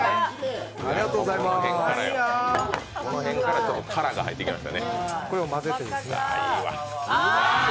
この辺から「辛」が入ってきましたね。